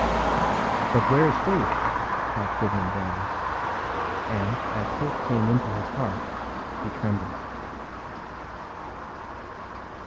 âBut where is Faith?â thought Goodman Brown; and, as hope came into his heart, he trembled.